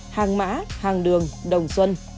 hàng mã hàng đường đồng xuân